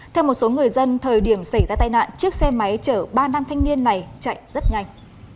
theo một số người dân thời điểm xảy ra tai nạn chiếc xe máy chở ba nam thanh niên này chạy rất nhanh